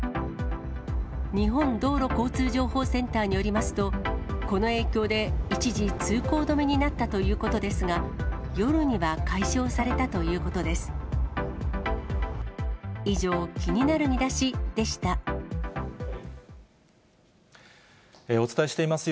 日本道路交通情報センターによりますと、この影響で、一時通行止めになったということですが、夜には解消されたということです。